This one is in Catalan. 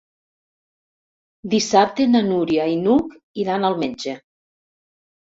Dissabte na Núria i n'Hug iran al metge.